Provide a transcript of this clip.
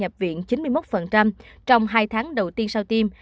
đã suy giảm ngăn ngừa khả năng nhập viện chín mươi một trong hai tháng đầu tiên sau tiêm